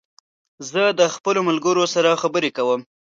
زه د خپلو ملګرو سره خبري کوم